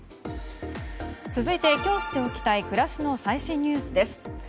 続いて今日知っておきたい暮らしの最新ニュースです。